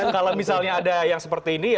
kalau misalnya ada yang seperti ini